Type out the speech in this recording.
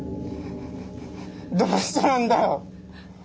どうしてなんだよ。